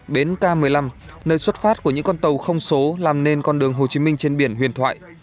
bến k một mươi năm nơi xuất phát của những con tàu không số làm nên con đường hồ chí minh trên biển huyền thoại